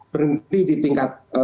berhenti di tingkat